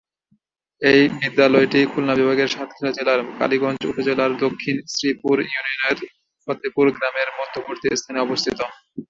এই বিদ্যালয়টি খুলনা বিভাগের সাতক্ষীরা জেলার কালিগঞ্জ উপজেলার দক্ষিণ শ্রীপুর ইউনিয়নের ফতেপুর গ্রামের মধ্যবর্তী স্থানে অবস্থিত।